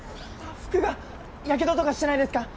服がヤケドとかしてないですか？